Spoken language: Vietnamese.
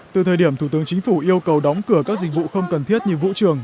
từ thời điểm thủ tướng chính phủ yêu cầu đóng cửa các dịch vụ không cần thiết như vũ trường